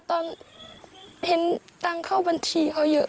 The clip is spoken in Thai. ตอนเห็นตังค์เข้าบัญชีเขาเยอะ